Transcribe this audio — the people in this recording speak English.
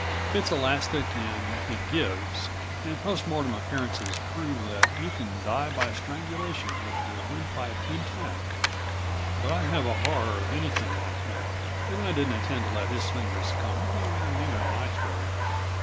It's elastic and it gives, and post mortem appearances prove that you can die by strangulation with your windpipe intact. But I have a horror of anything like that, and I didn't intend to let his fingers come anywhere near my throat.